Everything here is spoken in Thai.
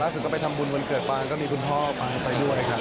ล่าสุดก็ไปทำบุญวันเกิดฟังก็มีคุณพ่อฟังไปด้วยค่ะ